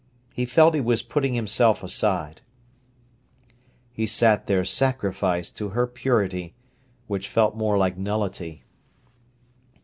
He felt he was putting himself aside. He sat there sacrificed to her purity, which felt more like nullity.